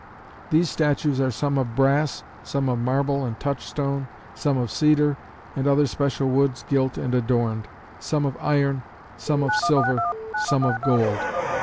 These statues are some of brass; some of marble and touch stone; some of cedar and other special woods gilt and adorned; some of iron; some of silver; some of gold.